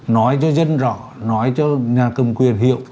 nói cho dân rõ nói cho nhà cầm quyền hiệu